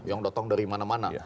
yang datang dari mana mana